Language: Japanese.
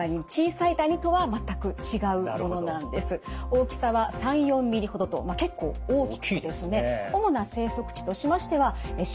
大きさは３４ミリほどと結構大きくてですね